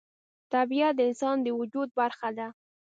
طبیعت د انسان د وجود برخه ده.